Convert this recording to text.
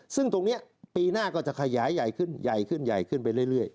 ซึ่งตรงนี้ปีหน้าก็จะขยายใหญ่ขึ้นใหญ่ขึ้นใหญ่ขึ้นไปเรื่อย